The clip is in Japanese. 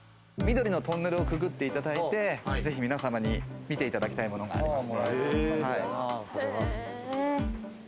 緑のトンネルをくぐっていただいて、ぜひ皆様に見ていただきたいものがあります。